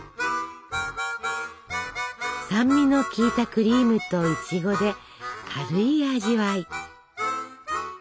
酸味の効いたクリームといちごで軽い味わい。